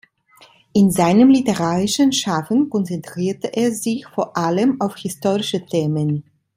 In seinem literarischen Schaffen konzentrierte er sich vor allem auf historische Themen.